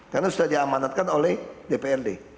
karena sudah diamanatkan oleh dprd